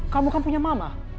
kamu kan punya mama